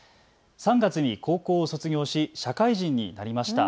３月に高校を卒業し社会人になりました。